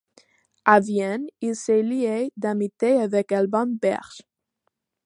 À Vienne, il se lie d'amitié avec Alban Berg.